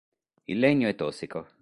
Il legno è tossico.